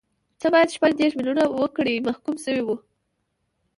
څه باندې شپږ دیرش میلیونه وګړي محکوم شوي وو.